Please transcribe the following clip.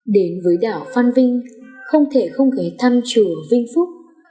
đến với đảo phan vinh không thể không ghé thăm chùa vĩnh phúc